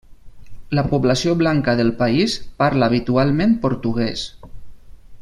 La població blanca del país parla habitualment portuguès.